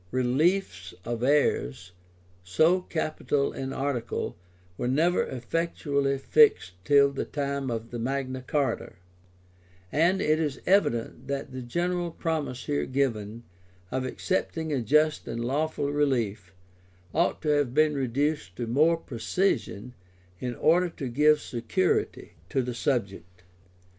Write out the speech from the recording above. Reliefs of heirs, so capital an article, were never effectually fixed till the time of Magna Charta;[*] and it is evident that the general promise here given, of accepting a just and lawful relief, ought to have been reduced to more precision, in order to give security to the subject.